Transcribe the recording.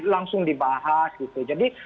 langsung dibahas gitu jadi